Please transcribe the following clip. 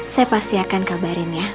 saya pasti akan kabarin ya